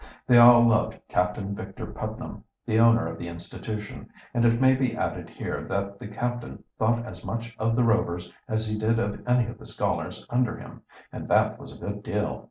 They all loved Captain Victor Putnam, the owner of the institution, and it may be added here that the captain thought as much of the Rovers as he did of any of the scholars under him, and that was a good deal.